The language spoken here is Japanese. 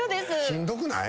しんどくない？